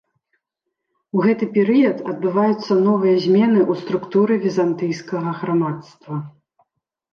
У гэты перыяд адбываюцца новыя змены ў структуры візантыйскага грамадства.